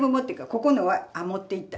「ここのは？ああ持っていった。